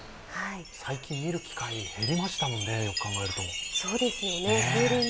最近見る機会、減りましたもんねよく考えると。